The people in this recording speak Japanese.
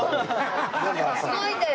すごいんだよ。